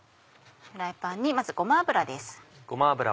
フライパンにまずごま油です。